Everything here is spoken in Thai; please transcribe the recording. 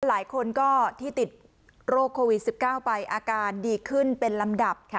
หลายคนก็ที่ติดโรคโควิด๑๙ไปอาการดีขึ้นเป็นลำดับค่ะ